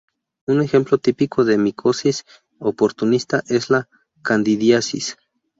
Un ejemplo típico de micosis oportunista es la candidiasis.